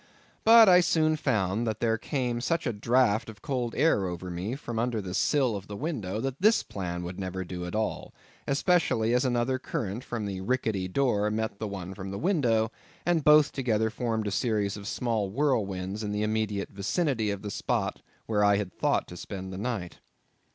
But I soon found that there came such a draught of cold air over me from under the sill of the window, that this plan would never do at all, especially as another current from the rickety door met the one from the window, and both together formed a series of small whirlwinds in the immediate vicinity of the spot where I had thought to spend the night.